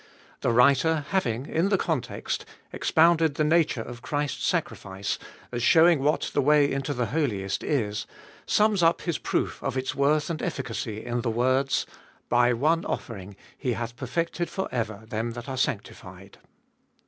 The writer having, in the context, expounded the nature of Christ's sacrifice, as showing what the way into the Holiest is, sums up his proof of its worth and efficacy in the words : By one offering He hath perfected for ever them that are sanctified.